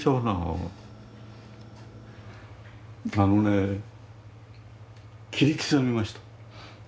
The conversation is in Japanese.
あのね切り刻みました。